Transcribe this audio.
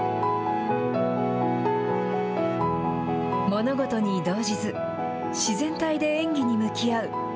物事に動じず、自然体で演技に向き合う。